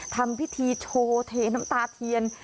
ทำพิธีโชว์เทน้ำตาเทียน